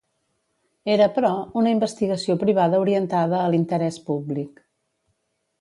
Era, però, una investigació privada orientada a l'interès públic.